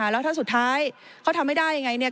แล้วถ้าสุดท้ายเขาทำไม่ได้ยังไงเนี่ย